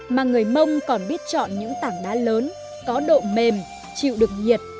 mà người mông còn biết chọn những tảng đá lớn có độ mềm chịu được nhiệt